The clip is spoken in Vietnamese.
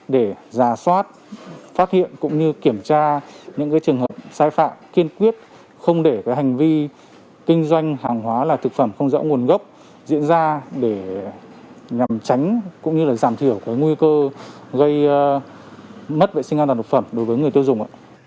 để giả soát phát hiện cũng như kiểm tra những trường hợp sai phạm kiên quyết không để hành vi kinh doanh hàng hóa là thực phẩm không rõ nguồn gốc diễn ra để nhằm tránh cũng như là giảm thiểu nguy cơ gây mất vệ sinh an toàn thực phẩm đối với người tiêu dùng ạ